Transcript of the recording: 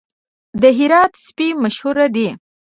د هرات سپي مشهور دي